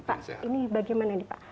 pak ini bagaimana nih pak